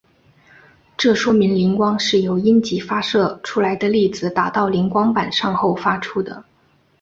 这说明磷光是由阴极发射出来的粒子打到磷光板上后发出的。